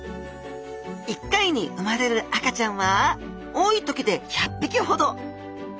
一回にうまれる赤ちゃんは多い時で１００ぴきほど。